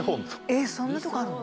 えっそんなとこあるの？